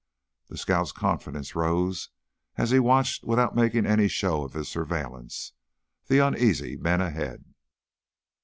The scout's confidence rose as he watched, without making any show of his surveillance, the uneasy men ahead.